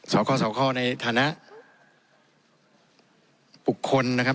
สคสคในฐานะบุคคลนะครับ